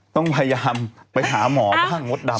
ต้องพยายามไปหาหมอบ้างมดดำ